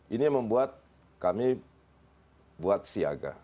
ini yang membuat kami buat siaga